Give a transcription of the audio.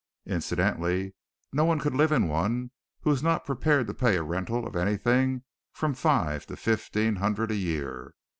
Incidentally, no one could live in one who was not prepared to pay a rental of anything from five to fifteen hundred a year.